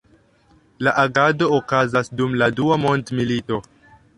La agado okazas dum la Dua Mondmilito.